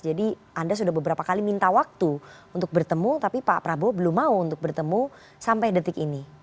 jadi anda sudah beberapa kali minta waktu untuk bertemu tapi pak prabowo belum mau untuk bertemu sampai detik ini